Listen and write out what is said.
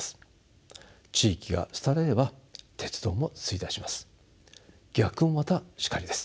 地域が廃れれば鉄道も衰退します。